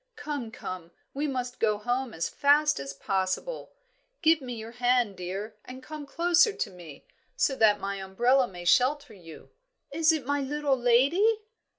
Come, come, we must go home as fast as possible. Give me your hand, dear, and come closer to me, so that my umbrella may shelter you." "Is it my little lady?"